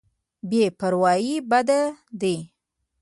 بې پرواهي بد دی.